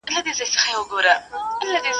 یو څه نڅا یو څه خندا ته ورکړو.